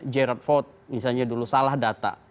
jared ford misalnya dulu salah data